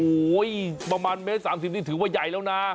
โอ้โหประมาณเมตร๓๐นี่ถือว่าใหญ่แล้วนะ